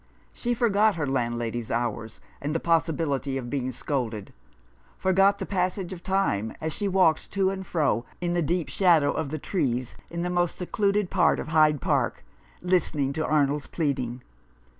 She forgot her landlady's hours, and the possibility of being scolded — forgot the passage of time, as she walked to and fro in the deep shadow of the trees in the most secluded part of Hyde Park, listening to Arnold's pleading.